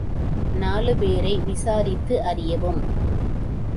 நாலு பேரை விசாரித்து அறியவும்.